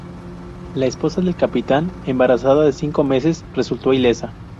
La esposa del capitán, embarazada de cinco meses, resultó ilesa.